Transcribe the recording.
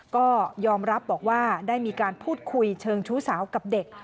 ก็ยอมรับบอกว่าได้มีการพูดคุยเชิงชู้สาวกับเด็ก